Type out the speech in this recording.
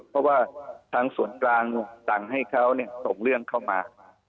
เพราะว่าทางส่วนกลางสั่งให้เขาส่งเรื่องเข้ามา